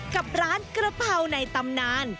กับร้านกระเพราในตำนาน